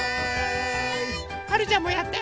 はるちゃんもやって。